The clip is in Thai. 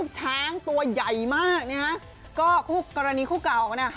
ช้างตกมัน